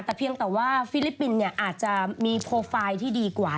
แต่เพียงแต่ว่าฟิลิปปินส์เนี่ยอาจจะมีโปรไฟล์ที่ดีกว่า